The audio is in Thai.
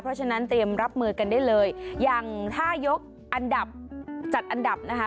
เพราะฉะนั้นเตรียมรับมือกันได้เลยอย่างถ้ายกอันดับจัดอันดับนะคะ